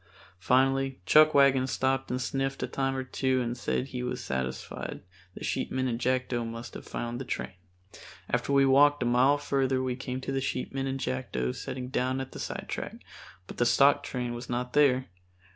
Finally Chuckwagon stopped and sniffed a time or two and said he was satisfied the sheepmen and Jackdo must have found the train. After we walked a mile further we came to the sheepmen and Jackdo setting down at a sidetrack, but the stock train was not there.